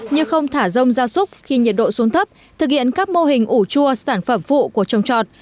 như không thả rông gia súc khi nhiệt độ xuống thấp thực hiện các mô hình ủ chua sản phẩm phụ của trồng trọt